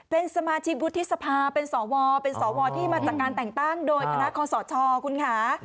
เป็นสมาชิกวุฒิสภาเป็นสวเป็นสวที่มาจากการแต่งตั้งโดยคณะคอสชคุณค่ะ